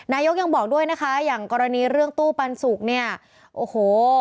นายกยังบอกด้วยนะคะอย่างกรณีเรื่องตู้ปันสุกเนี่ยโอ้โห